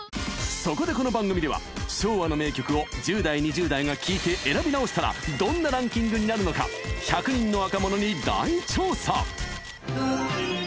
そこでこの番組では昭和の名曲を１０代２０代が聴いて選び直したらどんなランキングになるのか１００人の若者に大調査